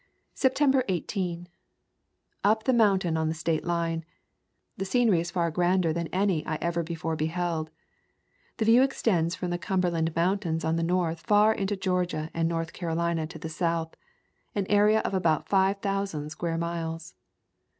September 18. Up the mountain on the state line. The scenery is far grander than any I ever before beheld. The view extends from the Cumberland Mountains on the north far into Georgia and North Carolina to the south, an area of about five thousand square miles.